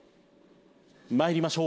まいりましょう。